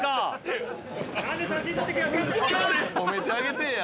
「褒めてあげてえや。